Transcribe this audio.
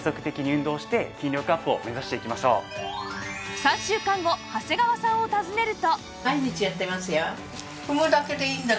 ３週間後長谷川さんを訪ねると